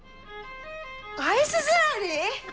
アイススラリー？